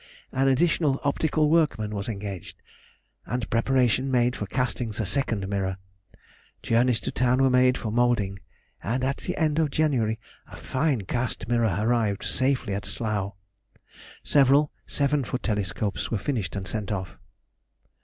An additional optical workman was engaged, and preparation made for casting the second mirror. Journeys to town were made for moulding, and at the end of January a fine cast mirror arrived safely at Slough. Several seven foot telescopes were finished and sent off.